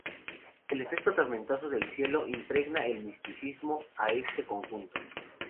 El efecto tormentoso del cielo impregna de misticismo a este conjunto.